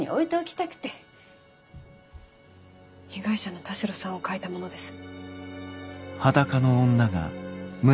被害者の田代さんを描いたものです。